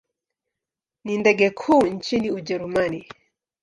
Ni ndege kuu nchini Ujerumani.